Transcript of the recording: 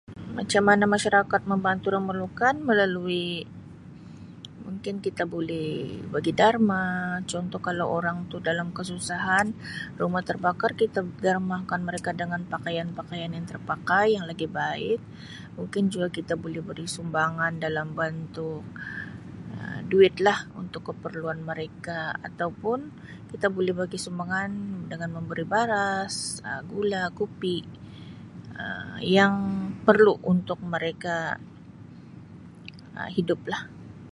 Macama mana masyarakat membantu orang memerlukan melalui mungkin kita buli bagi darma contoh kalau orang tu dalam kesusahan rumah terbakar kita darmakan mereka dengan pakaian-pakaian yang terpakai yang lagi baik mungkin juga kita buli beri sumbangan dalam bentuk Um duitlah untuk keperluan mereka ataupun kita buli bagi sumbangan dengan memberi baras, Um gula, kupi Um yang perlu untuk mereka Um hiduplah.